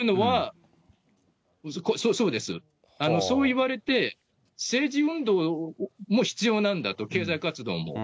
そうです、そう言われて、政治運動も必要なんだと、経済活動も。